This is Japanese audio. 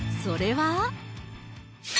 それは。